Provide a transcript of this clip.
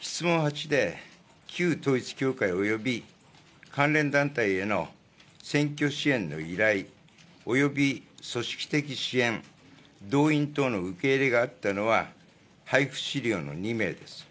質問８で旧統一教会、および関連団体への選挙支援の依頼および組織的支援、動員等の受け入れがあったのは、配布資料の２名です。